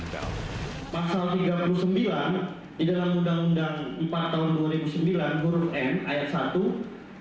pasal tiga puluh sembilan di dalam undang undang empat tahun dua ribu sembilan huruf n ayat satu